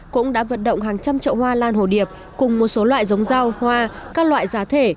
cũng đã vận động hàng trăm trậu hoa lan hồ điệp cùng một số loại giống rau hoa các loại giá thể